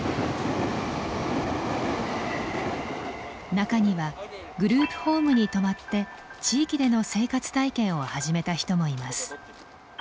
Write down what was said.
中にはグループホームに泊まって地域での生活体験を始めた人もいます。